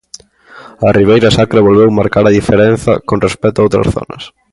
A Ribeira Sacra volveu marcar a diferenza con respecto a outras zonas.